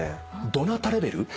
どなたレベル？